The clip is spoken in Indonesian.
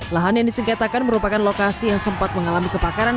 lahan yang disengketakan merupakan lokasi yang sempat mengalami kebakaran